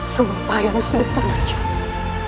sumpah yang sudah terjadi